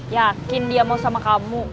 yakin dia mau sama kamu